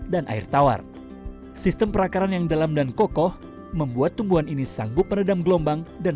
dan air tawar sistem perakaran yang dalam dan kokoh membuat tumbuhan ini sanggup menedam gelombang dan